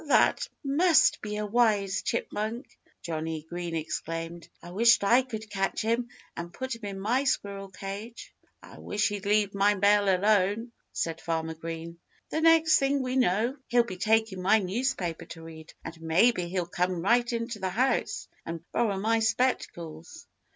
"That must be a wise chipmunk!" Johnnie Green exclaimed. "I wish I could catch him and put him in my squirrel cage." "I wish he'd leave my mail alone," said Farmer Green. "The next thing we know, he'll be taking my newspaper to read. And maybe he'll come right into the house and borrow my spectacles."